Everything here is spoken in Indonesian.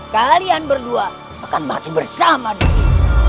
kalian berdua akan maju bersama di sini